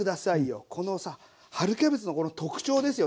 このさ春キャベツのこの特徴ですよね。